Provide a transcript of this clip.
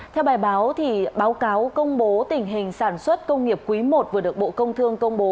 theo bài báo báo cáo công bố tình hình sản xuất công nghiệp quý i vừa được bộ công thương công bố